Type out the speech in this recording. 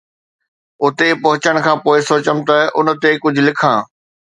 اتي پهچڻ کان پوءِ سوچيم ته ان تي ڪجهه لکان